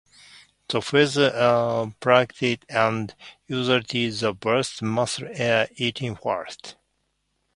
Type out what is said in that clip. The feathers are plucked and usually the breast muscles are eaten first.